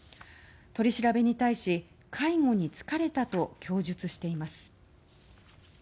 取り調べに対し介護に疲れたと供述しています。